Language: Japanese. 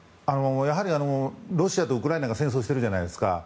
やはりロシアとウクライナが戦争してるじゃないですか。